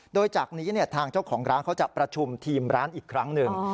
โดยจากนี้ทางเจ้าของร้านเขาจะประชุมทีมร้านอีกครั้งหนึ่ง